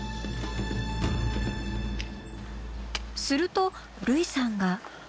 すると類さんが。